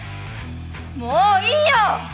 もういいよ！